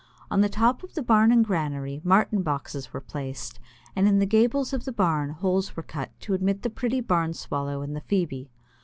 On the top of the barn and granary Martin boxes were placed, and in the gables of the barn holes were cut to admit the pretty Barn Swallow and the Phoebe.